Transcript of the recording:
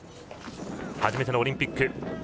初めてのオリンピック。